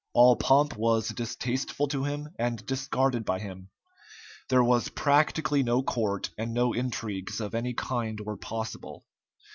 All pomp was distasteful to him, and discarded by him. There was practically no court, and no intrigues of any kind were possible.